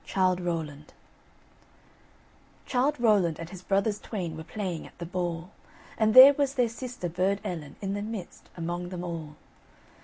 CHILDE ROWLAND Childe Rowland and his brothers twain Were playing at the ball, And there was their sister Burd Ellen In the midst, among them all.